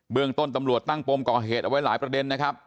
เรื่องต้นตำรวจตั้งปมก่อเหตุเอาไว้หลายประเด็นนะครับ